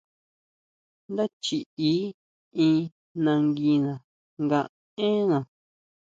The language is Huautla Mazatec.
Ndá chiʼi in nanguina nga énná.